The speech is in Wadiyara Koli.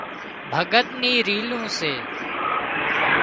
ڀڳت نِي رِيلون سي